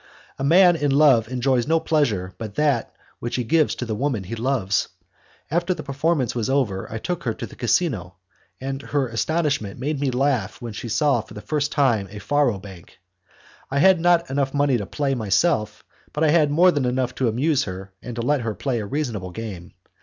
A man in love enjoys no pleasure but that which he gives to the woman he loves. After the performance was over, I took her to the Casino, and her astonishment made me laugh when she saw for the first time a faro bank. I had not money enough to play myself, but I had more than enough to amuse her and to let her play a reasonable game.